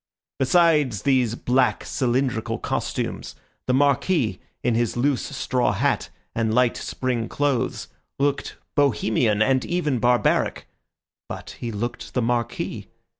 Besides these black, cylindrical costumes, the Marquis, in his loose straw hat and light spring clothes, looked Bohemian and even barbaric; but he looked the Marquis.